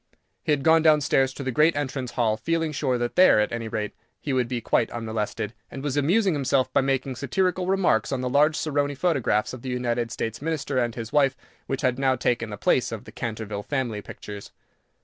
He had gone down stairs to the great entrance hall, feeling sure that there, at any rate, he would be quite unmolested, and was amusing himself by making satirical remarks on the large Saroni photographs of the United States Minister and his wife which had now taken the place of the Canterville family pictures.